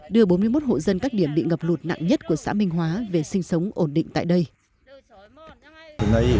đưa bốn mươi một hộ dân các điểm bị ngập lụt nặng nhất của xã minh hóa về sinh sống ổn định tại đây